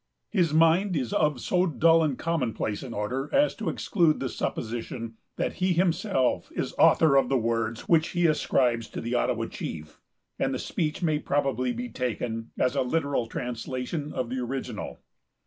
His mind is of so dull and commonplace an order as to exclude the supposition that he himself is author of the words which he ascribes to the Ottawa chief, and the speech may probably be taken as a literal translation of the original.